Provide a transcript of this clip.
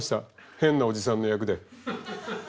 変なおじさんの役で。